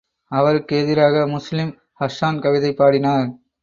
அவருக்கு எதிராக, Muslim Hassan கவிதை பாடினார்.